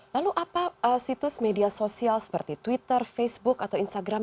lalu apa situs media sosial seperti twitter facebook atau instagram